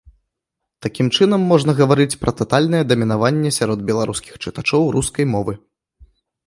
Такім чынам, можна гаварыць пра татальнае дамінаванне сярод беларускіх чытачоў рускай мовы.